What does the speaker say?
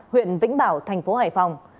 huyện vĩnh bảo thành phố hải phòng